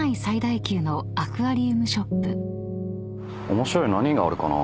面白いの何があるかな？